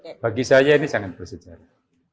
ya bagi saya ini sangat bersejarah